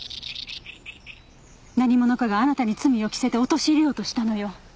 何者かがあなたに罪を着せて陥れようとしたのよ。